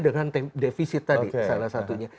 dengan defisit tadi